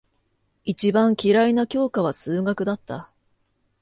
一番嫌いな教科は数学だった。